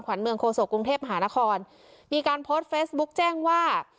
วันเมืองโคศกกรุงเทพมหานครมีการโพสต์เฟซบุ๊กแจ้งว่า